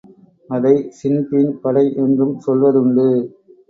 அதை ஸின்பீன் படை என்றும் சொல்வதுண்டு.